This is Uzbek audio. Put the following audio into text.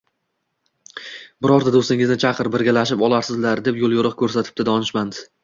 Birorta do‘stingni chaqir, birgalashib olarsizlar, – deb yo‘l-yo‘riq ko‘rsatibdi donishmand